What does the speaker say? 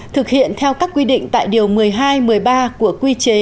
thực hiện theo các quy định tại điều một mươi hai một mươi ba của quy chế